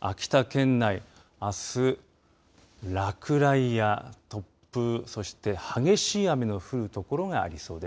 秋田県内、あす落雷や突風、そして激しい雨の降るところがありそうです。